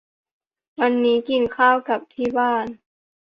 วันนี้กินกับข้าวที่บ้าน